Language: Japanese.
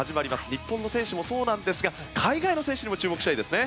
日本の選手もそうですが海外の選手にも注目したいですね。